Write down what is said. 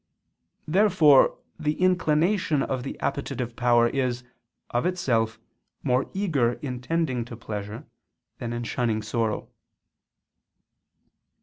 Therefore the inclination of the appetitive power is, of itself, more eager in tending to pleasure than in shunning sorrow.